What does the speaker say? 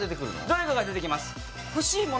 どれかが出てきます